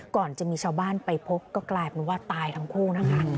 ก่อนจะมีชาวบ้านไปพบก็กลายเป็นว่าตายทั้งคู่นะคะ